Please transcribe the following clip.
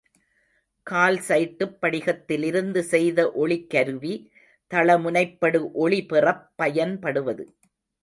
கால்சைட்டுப் படிகத்திலிருந்து செய்த ஒளிக்கருவி, தள முனைப்படு ஒளி பெறப் பயன்படுவது.